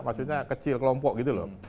maksudnya kecil kelompok gitu loh